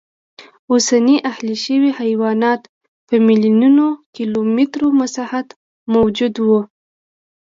اوسني اهلي شوي حیوانات په میلیونونو کیلومترو مساحت موجود و